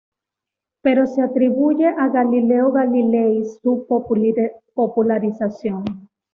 Pero se atribuye a Galileo Galilei su popularización.